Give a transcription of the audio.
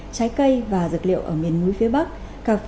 trái cây và dược liệu ở miền núi phía bắc